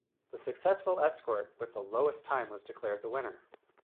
The successful escort with the lowest time was declared the winner.